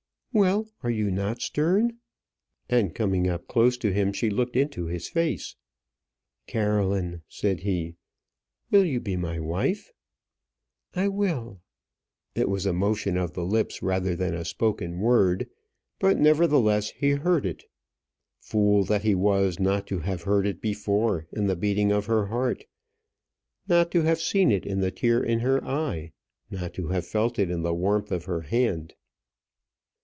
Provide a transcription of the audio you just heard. "Well, are you not stern?" And coming up close to him, she looked into his face. "Caroline," said he, "will you be my wife?" "I will." It was a motion of the lips rather than a spoken word; but, nevertheless, he heard it. Fool that he was not to have heard it before in the beating of her heart; not to have seen it in the tear in her eye; not to have felt it in the warmth of her hand.